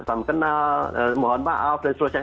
selamat kenal mohon maaf dan selesai